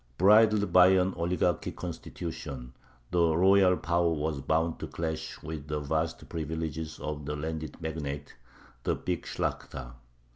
Bridled by an oligarchic constitution, the royal power was bound to clash with the vast privileges of the landed magnates, the big Shlakhta.